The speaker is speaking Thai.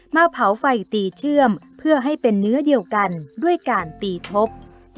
มาเผาไฟตีเชื่อมเพื่อให้เป็นเนื้อเดียวกันด้วยการตีชก